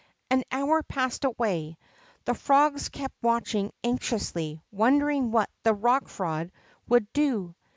An hour passed away. The frogs kept watching anxiously, wondering what the Rock Frog would do.